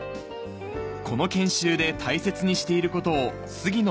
この研修で大切にしていることを杉野